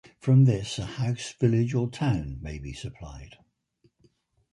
From this a house, village or town may be supplied.